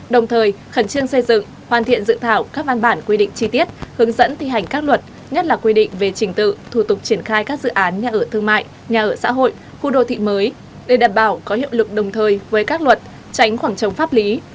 đồng thời khẩn trương xây dựng hoàn thiện dự thảo các văn bản quy định chi tiết hướng dẫn thi hành các luật nhất là quy định về trình tự thủ tục triển khai các dự án nhà ở thương mại nhà ở xã hội khu đô thị mới để đảm bảo có hiệu lực đồng thời với các luật tránh khoảng trống pháp lý